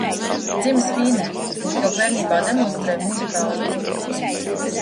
Dzimis Vīnē, jau bērnībā demonstrēja muzikālas dotības.